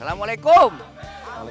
jangan mengakhiri ke bedroom ke piecesan